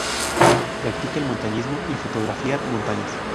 Practica el montañismo y fotografiar montañas.